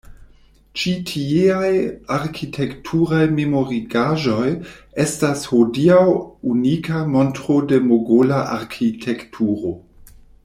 Ĉi tieaj arkitekturaj memorigaĵoj estas hodiaŭ unika montro de mogola arkitekturo.